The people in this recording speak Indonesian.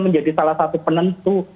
menjadi salah satu penentu